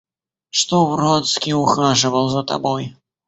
Что Вронский ухаживал за тобой?